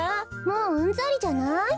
もううんざりじゃない？